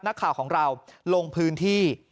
นักข่าวของเราลงพื้นที่